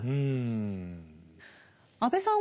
安部さん